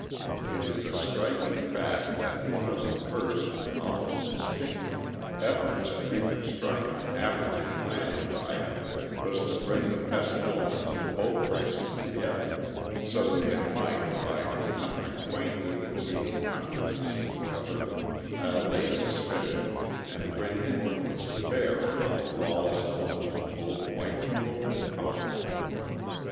It is a striking fact that one of the first almost instinctive efforts at reconstruction after the Atlanta riot was to bring the best elements of both races together, so that they might, by becoming acquainted and gaining confidence in each other, allay suspicion and bring influence to bear upon the lawless elements of both white people and coloured.